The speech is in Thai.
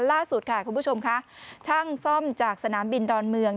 ล่าสุดค่ะคุณผู้ชมค่ะช่างซ่อมจากสนามบินดอนเมือง